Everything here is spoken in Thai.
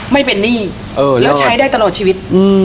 ไม่เป็นหนี้แล้วใช้ได้ตลอดชีวิต